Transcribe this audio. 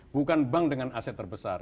bukan bank dengan aset terbesar